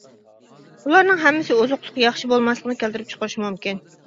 بۇلارنىڭ ھەممىسى ئوزۇقلۇق ياخشى بولماسلىقنى كەلتۈرۈپ چىقىرىشى مۇمكىن.